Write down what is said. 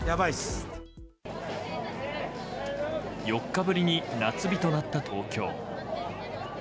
４日ぶりに夏日となった東京。